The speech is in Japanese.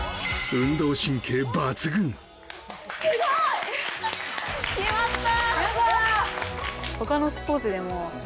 すごい！決まった！